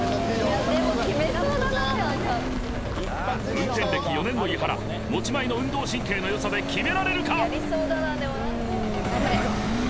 運転歴４年の伊原持ち前の運動神経のよさで決められるか？